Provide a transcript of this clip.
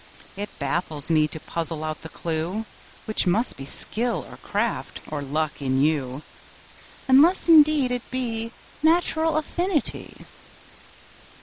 It baffles me to puzzle out the clew, Which must be skill, or craft, or luck in you: Unless, indeed, it be Natural affinity.